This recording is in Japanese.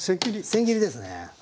せん切りですね。